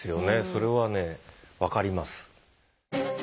それはね分かります。